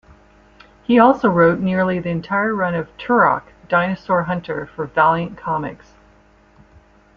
He also wrote nearly the entire run of "Turok: Dinosaur Hunter" for Valiant Comics.